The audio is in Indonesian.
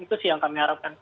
itu sih yang kami harapkan